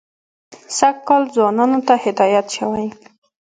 سږ کال ځوانانو ته هدایت شوی.